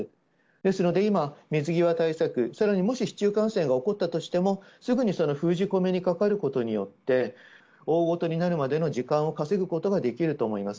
ですので今、水際対策、さらにもし市中感染が起こったとしても、すぐにその封じ込めにかかることに寄って、大事になるまでの時間を稼ぐことができると思います。